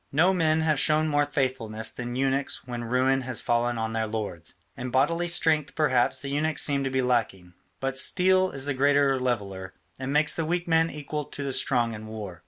No men have shown more faithfulness than eunuchs when ruin has fallen on their lords. In bodily strength, perhaps, the eunuchs seem to be lacking, but steel is a great leveller, and makes the weak man equal to the strong in war.